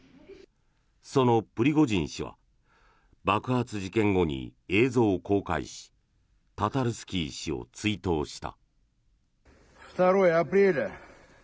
そのプリゴジン氏は爆発事件後に映像を公開しタタルスキー氏を追悼した。